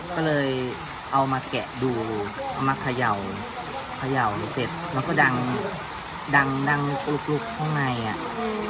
ก็เลยเอามาแกะดูเอามาเขย่าเขย่าแล้วเสร็จมันก็ดังดังดังลุกลุกข้างในอ่ะ